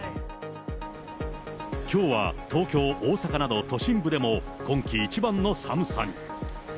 きょうは東京、大阪など都心部でも、今季一番の寒さに。